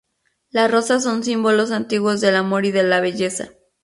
Las rosas son símbolos antiguos del amor y de la belleza.